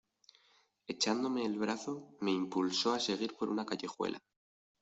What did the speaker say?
Echándome el brazo me impulsó a seguir por una callejuela.